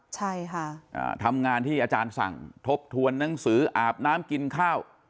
ใช่ค่ะอ่าทำงานที่อาจารย์สั่งทบทวนหนังสืออาบน้ำกินข้าว